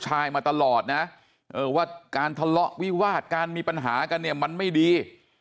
มาตลอดนะว่าการทะเลาะวิวาดการมีปัญหากันเนี่ยมันไม่ดี